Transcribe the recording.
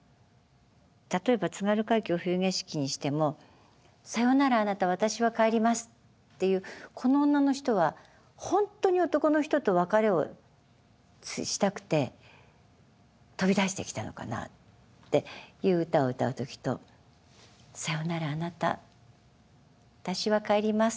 例えば「津軽海峡・冬景色」にしても「さよならあなた私は帰ります」っていうこの女の人はほんとに男の人と別れをしたくて飛び出してきたのかなっていう歌を歌う時と「さよならあなた私は帰ります。